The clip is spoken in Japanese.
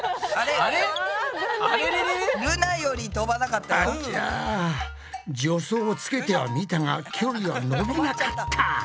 あちゃ助走をつけてはみたが距離は伸びなかった。